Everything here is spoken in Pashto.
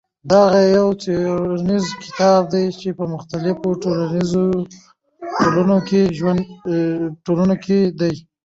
دغه يو څېړنيز کتاب دى چې په مختلفو ټولنو کې.